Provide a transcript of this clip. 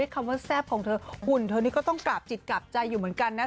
คำว่าแซ่บของเธอหุ่นเธอนี่ก็ต้องกราบจิตกราบใจอยู่เหมือนกันนะ